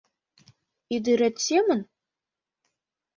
Ӱдырет семын?